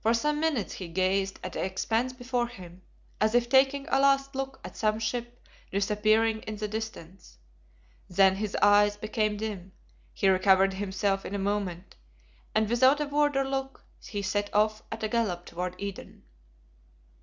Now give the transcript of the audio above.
For some minutes he gazed at the expanse before him, as if taking a last look at some ship disappearing in the distance. Then his eyes became dim; he recovered himself in a moment, and without a word or look, set off at a gallop toward Eden.